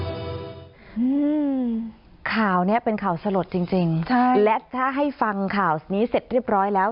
อืมข่าวเนี้ยเป็นข่าวสลดจริงจริงใช่และถ้าให้ฟังข่าวนี้เสร็จเรียบร้อยแล้ว